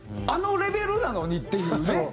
あのレベルなのにっていうね。